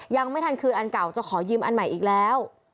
ยังไม่ทันคืนอันเก่าจะขอยืมอันใหม่อีกแล้ว